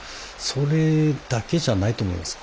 それだけじゃないと思います。